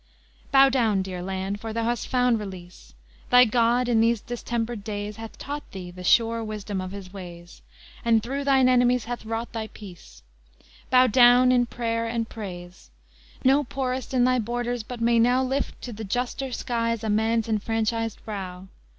XII Bow down, dear Land, for thou hast found release! Thy God, in these distempered days, Hath taught thee the sure wisdom of His ways, And through thine enemies hath wrought thy peace! Bow down in prayer and praise! No poorest in thy borders but may now Lift to the juster skies a man's enfranchised brow.